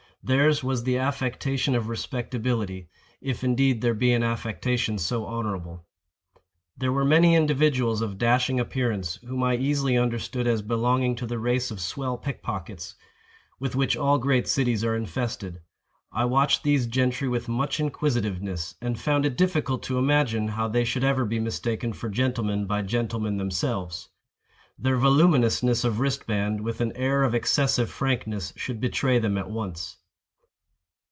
Theirs was the affectation of respectability—if indeed there be an affectation so honorable. There were many individuals of dashing appearance, whom I easily understood as belonging to the race of swell pick pockets with which all great cities are infested. I watched these gentry with much inquisitiveness, and found it difficult to imagine how they should ever be mistaken for gentlemen by gentlemen themselves. Their voluminousness of wristband, with an air of excessive frankness, should betray them at once.